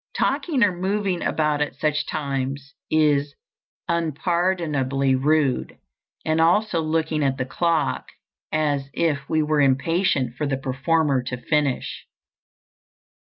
Talking or moving about at such times is unpardonably rude, and also looking at the clock as if we were impatient for the performer to finish.